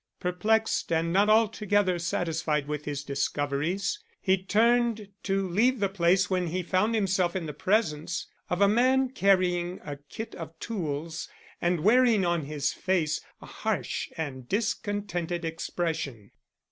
Perplexed and not altogether satisfied with his discoveries, he turned to leave the place when he found himself in the presence of a man carrying a kit of tools and wearing on his face a harsh and discontented expression.